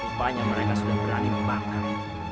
rupanya mereka sudah berani membakar